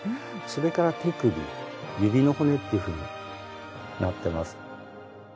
それから手首指の骨っていうふうになってます。